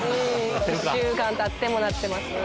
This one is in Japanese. １週間たってもなってます